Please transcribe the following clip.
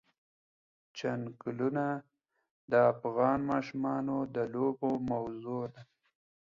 چنګلونه د افغان ماشومانو د لوبو موضوع ده.